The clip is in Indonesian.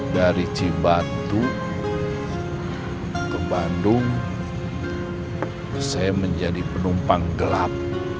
dari cibatu ke bandung saya menjadi penumpang gelap